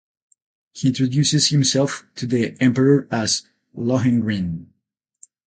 He introduces himself to the emperor as Lohengrin.